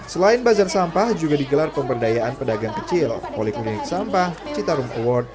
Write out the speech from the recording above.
selain bazar sampah juga digelar pemberdayaan pedagang kecil oleh klinik sampah citarung award